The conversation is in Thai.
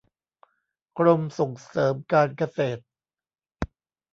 กรมส่งเสริมการเกษตร